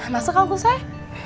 masuk kang kusoy